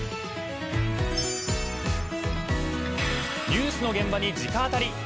ニュースの現場に直当たり。